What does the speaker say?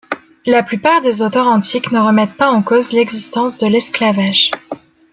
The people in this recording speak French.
La plupart des auteurs antiques ne remettent pas en cause l’existence de l’esclavage.